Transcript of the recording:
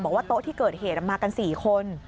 บอกว่าโต๊ะที่เกิดเหตุมากัน๔คน